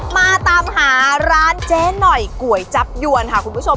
มาตามหาร้านเจ๊หน่อยก๋วยจับยวนค่ะคุณผู้ชม